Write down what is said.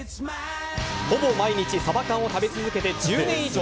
ほぼ毎日サバ缶を食べ続けて１０年以上。